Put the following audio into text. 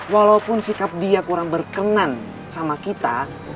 walaupun sikap dia kurang berkenan sama kita